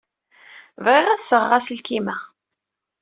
Bɣiɣ ad d-sɣeɣ aselkim-a.